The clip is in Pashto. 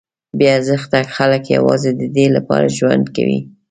بې ارزښته خلک یوازې ددې لپاره ژوند کوي.